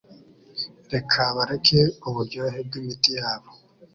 Reka bareke uburyohe bwimiti yabo.